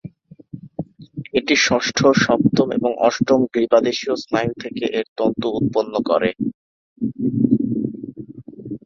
এটি ষষ্ঠ, সপ্তম এবং অষ্টম গ্রীবাদেশীয় স্নায়ু থেকে এর তন্তু উৎপন্ন করে।